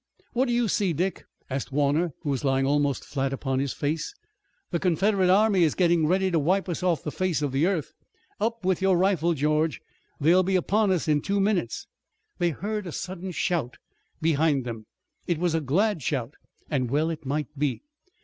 "What do you see, Dick?" asked Warner, who was lying almost flat upon his face. "The Confederate army is getting ready to wipe us off the face of the earth! Up with your rifle, George! They'll be upon us in two minutes!" They heard a sudden shout behind them. It was a glad shout, and well it might be.